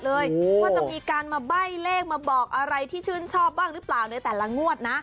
ว่าจะมีการมาใบ้เลขมาบอกอะไรที่ชื่นชอบบ้างหรือเปล่าในแต่ละงวดนะ